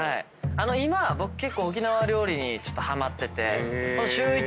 今僕結構沖縄料理にハマってて。